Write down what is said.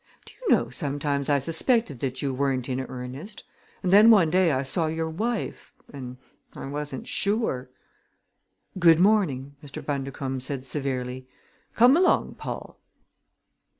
"Do you know, sometimes I suspected that you weren't in earnest! And then one day I saw your wife and I wasn't sure!" "Good morning!" Mr. Bundercombe said severely. "Come along, Paul!"